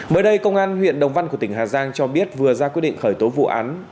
mới đây công an huyện đồng văn của tỉnh hà giang cho biết vừa ra quyết định khởi tố vụ án